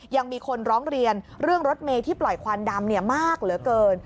ยังมีคนร้องเรียนเรื่องรถเมย์ที่ปล่อยควันดำมากเหลือเกิน